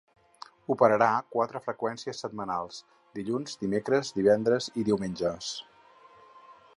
Operarà quatre freqüències setmanals: dilluns, dimecres, divendres i diumenges.